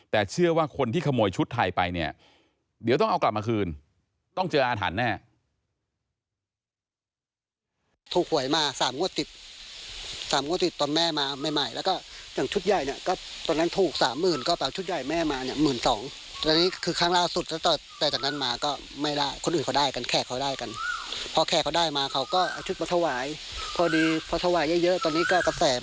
แต่เชื่อว่าคนที่ขโมยชุดไทยไปเนี่ยเดี๋ยวต้องเอากลับมาคืนต้องเจออาถรรพ์แน่